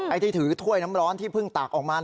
ที่ถือถ้วยน้ำร้อนที่เพิ่งตากออกมา